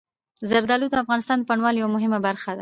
زردالو د افغانستان د بڼوالۍ یوه مهمه برخه ده.